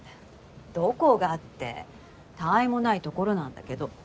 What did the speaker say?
どこがって他愛もないところなんだけど。